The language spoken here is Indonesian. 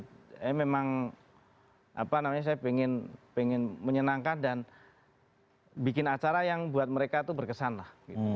saya memang apa namanya saya pengen menyenangkan dan bikin acara yang buat mereka tuh berkesan lah